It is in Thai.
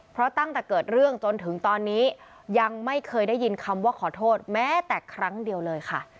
เพราะตั้งแต่เกิดเรื่องจนถึงตอนนี้ยังไม่เคยได้ยินคำว่าขอโทษแม้แต่ครั้งเดียวเลยค่ะ